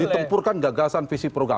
ditempurkan gagasan visi program